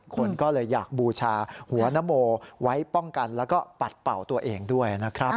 คนก็เลยอยากบูชาหัวนโมไว้ป้องกันแล้วก็ปัดเป่าตัวเองด้วยนะครับ